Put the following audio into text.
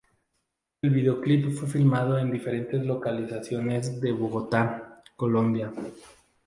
El videoclip fue filmado en diferentes localizaciones de Bogotá, Colombia.